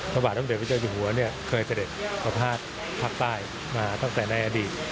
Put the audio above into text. ประบาทตั้งแต่พระเจ้าจิตรกรรมเคยเสด็จภาพภาคใต้มาตั้งแต่ในอดีต